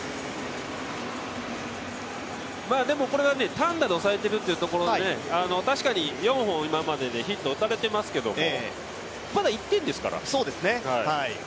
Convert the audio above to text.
でも、これが単打で抑えているというので、確かに４本、今までヒット打たれてますけど、まだ１点ですから。